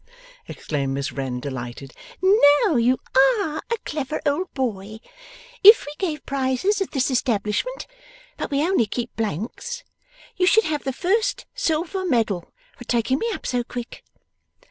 exclaimed Miss Wren, delighted. 'Now you ARE a clever old boy! If we gave prizes at this establishment (but we only keep blanks), you should have the first silver medal, for taking me up so quick.